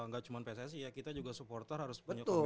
gak cuma pssi ya kita juga supporter harus punya komitmen